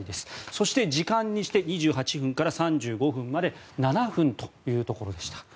そして、時間にして２８分から３５分まで７分ということでした。